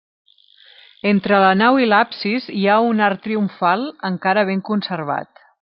Entre la nau i l'absis hi ha un arc triomfal encara ben conservat.